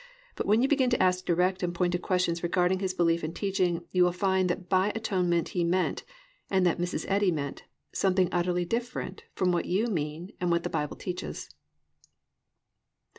But when you begin to ask direct and pointed questions regarding his belief and teaching you will find that by Atonement he meant, and that Mrs. Eddy meant, something utterly different from what you mean and what the Bible teaches.